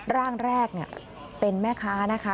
ร่างแรกเป็นแม่ค้านะคะ